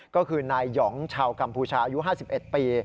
ก็คือนายหองชาวกัมพูชาอายุ๕๑ปี